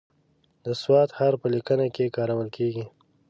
د "ص" حرف په لیکنه کې کارول کیږي.